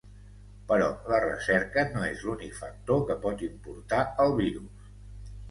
Però la recerca no és l’únic factor que pot importar el virus.